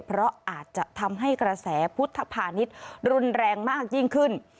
เพราะอาจจะทำให้กระแสพุทธภานิษฐ์รุนแรงมากยิ่งขึ้น